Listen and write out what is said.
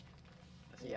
terima kasih ya